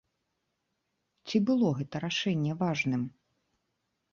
Ці было гэта рашэнне важным?